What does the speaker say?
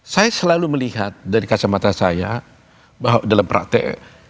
saya selalu melihat dari kacamata saya bahwa dalam praktek